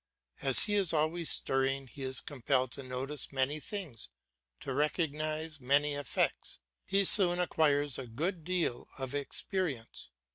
As he is always stirring he is compelled to notice many things, to recognise many effects; he soon acquires a good deal of experience.